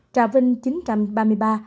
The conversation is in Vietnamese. trà vinh một chín trăm ba mươi ba ca